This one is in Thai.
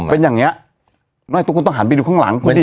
เป็นอย่างเนี่ยต้องหาดกลัวทางหลังกูสิ